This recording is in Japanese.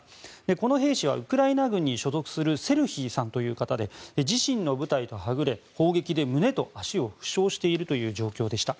この兵士はウクライナ軍に所属するセルヒーさんという方で自身の部隊とはぐれ砲撃で胸と足を負傷している状況でした。